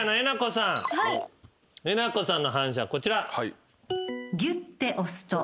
えなこさんの反射こちら。